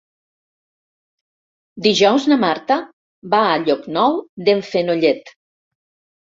Dijous na Marta va a Llocnou d'en Fenollet.